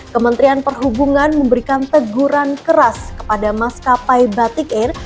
kementerian perhubungan memberikan teguran keras kepada maskapai batik air